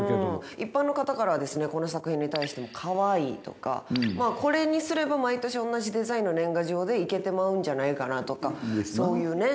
一般の方からはこの作品に対しても可愛いとかこれにすれば毎年同じデザインの年賀状でいけてまうんじゃないかなとかそういうね